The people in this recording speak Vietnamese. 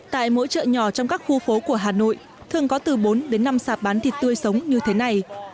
tại mỗi chợ nhỏ trong các khu phố của hà nội thường có từ bốn đến năm sạp bán thịt tươi sống như thế này